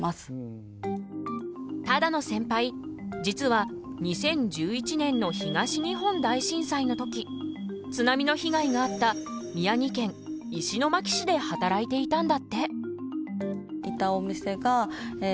実は２０１１年の東日本大震災の時津波の被害があった宮城県石巻市で働いていたんだって。